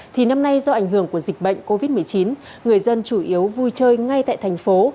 thì năm nay do ảnh hưởng của dịch bệnh covid một mươi chín người dân chủ yếu vui chơi ngay tại thành phố